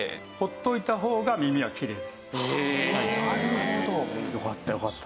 なるほど。